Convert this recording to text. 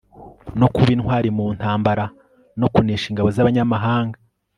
no kuba intwari mu ntambara no kunesha ingabo zabanyamahanga